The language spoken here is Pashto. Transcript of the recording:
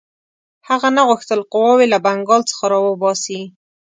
هغه نه غوښتل قواوې له بنګال څخه را وباسي.